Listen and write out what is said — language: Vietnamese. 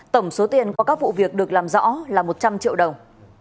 tổng số tiền qua các vụ việc được làm rõ là một trăm linh triệu đồng